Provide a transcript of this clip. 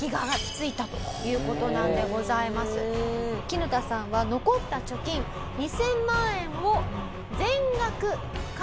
キヌタさんは残った貯金２０００万円を。